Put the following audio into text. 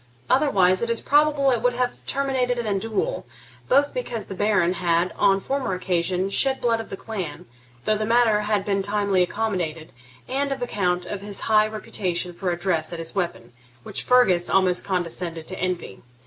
Otherwise it is probable it would have terminated in a duel, both because the Baron had, on a former occasion, shed blood of the clan, though the matter had been timely accommodated, and on account of his high reputation for address at his weapon, which Fergus almost condescended to envy.